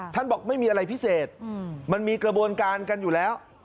บอกไม่มีอะไรพิเศษมันมีกระบวนการกันอยู่แล้ว